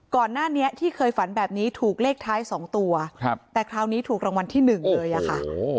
ก่อนหน้านี้ที่เคยฝันแบบนี้ถูกเลขท้าย๒ตัวแต่คราวนี้ถูกรางวัลที่หนึ่งเลยอะค่ะ